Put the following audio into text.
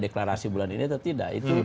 deklarasi bulan ini atau tidak